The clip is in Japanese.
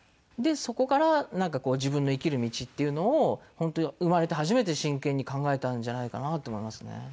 でそこからなんかこう自分の生きる道っていうのを本当に生まれて初めて真剣に考えたんじゃないかなって思いますね。